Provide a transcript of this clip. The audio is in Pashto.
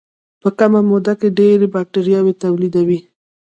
په کمه موده کې ډېرې باکتریاوې تولیدوي.